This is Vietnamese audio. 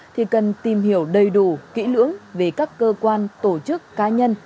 thì cần tìm hiểu đầy đủ kỹ lưỡng về các cơ quan tổ chức cá nhân